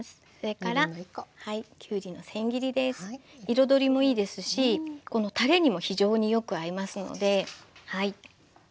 彩りもいいですしこのたれにも非常によく合いますのではい。